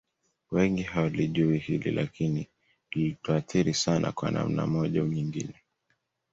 Wengi hawalijui hili lakini lilituathiri sana kwa namna moja au nyingine